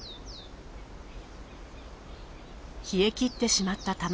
冷え切ってしまった卵。